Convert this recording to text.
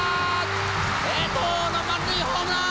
江藤の満塁ホームラン！